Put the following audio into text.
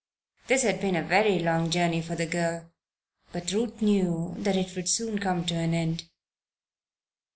This had been a very long journey for the girl, but Ruth knew that it would soon come to an end.